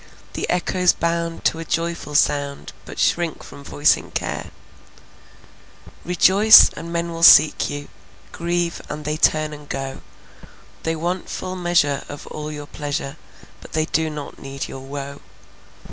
The echoes bound to a joyful sound, But shrink from voicing care. Rejoice, and men will seek you; Grieve, and they turn and go. They want full measure of all your pleasure, But they do not need your woe.